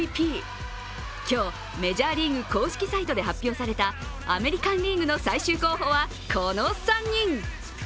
今日、メジャーリーグ公式サイトで発表されたアメリカン・リーグの最終候補はこの３人。